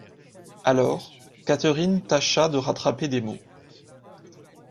Alors, Catherine tâcha de rattraper des mots.